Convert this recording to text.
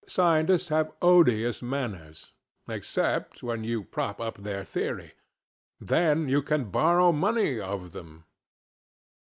Scientists have odious manners, except when you prop up their theory; then you can borrow money of them.